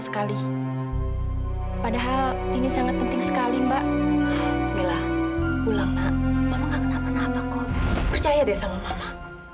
sekali padahal ini sangat penting sekali mbak bilang ulang nak apa kok percaya deh sama mama